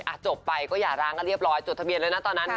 จบไปก็อย่าร้างกันเรียบร้อยจดทะเบียนเลยนะตอนนั้น